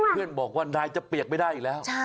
เพื่อนบอกว่านายจะเปียกไม่ได้อีกแล้ว